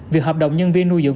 việc hợp đồng nhân viên nuôi dưỡng